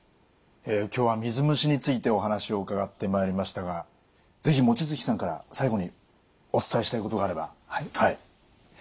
今日は水虫についてお話を伺ってまいりましたが是非望月さんから最後にお伝えしたいことがあれば。